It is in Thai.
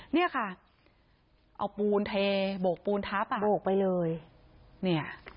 เนี้ยค่ะเอาปูนเทบวกปูนท้าปังบวกไปเลยเนี้ย